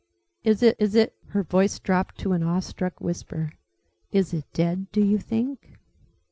Is it is it her voice dropped to an awestruck whisper, is it dead, do you think?"